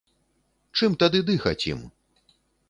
Чым тады дыхаць ім?